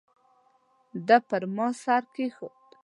ده پر ما سر کېښود.